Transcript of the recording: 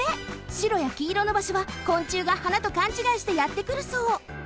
しろやきいろのばしょは昆虫がはなとかんちがいしてやってくるそう。